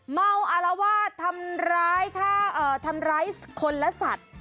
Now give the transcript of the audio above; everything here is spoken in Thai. เมาอารวาสทำร้ายคนและสัตว์